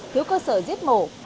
thiếu cơ sở giết mổ